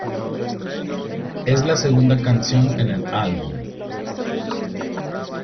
Es la segunda canción en el álbum.